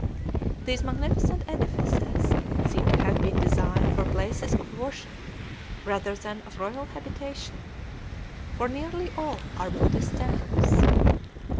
These magnificent edifices seem to have been designed for places of worship rather than of royal habitation, for nearly all are Buddhist temples.